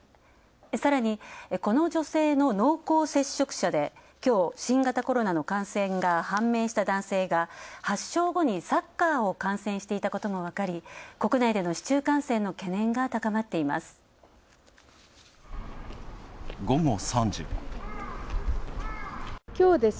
さらに、この女性の濃厚接触者できょう新型コロナの感染が判明した男性が発症後にサッカーを観戦していたことが分かり国内での市中感染の懸念が高まっています。